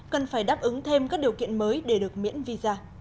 cần phải đáp ứng thêm các điều kiện mới để được miễn visa